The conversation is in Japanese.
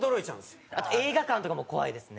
あと映画館とかも怖いですね。